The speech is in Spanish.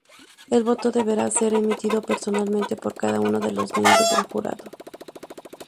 El voto deberá ser emitido personalmente por cada uno de los miembros del jurado.